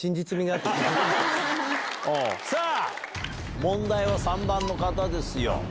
さぁ問題は３番の方ですよ。